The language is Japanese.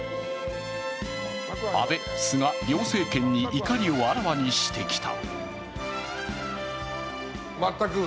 安倍、菅、両政権に怒りをあらわにしてきた。